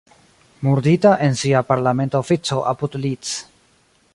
Murdita en sia parlamenta ofico apud Leeds.